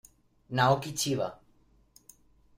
Naoki Chiba